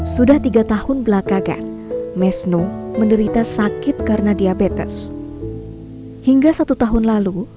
sudah tiga tahun belakangan mesno menderita sakit karena diabetes hingga satu tahun lalu